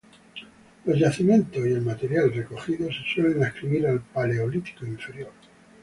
Los yacimientos y el material recogido se suelen adscribir al Paleolítico Inferior.